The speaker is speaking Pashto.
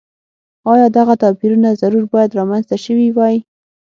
ایا دغه توپیرونه ضرور باید رامنځته شوي وای.